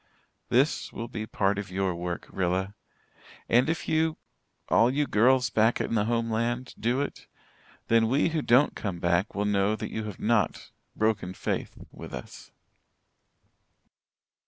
This will be part of your work, Rilla. And if you all you girls back in the homeland do it, then we who don't come back will know that you have not 'broken faith' with us.